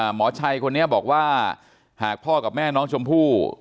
หมอชัยคนนี้บอกว่าหากพ่อกับแม่น้องชมพู่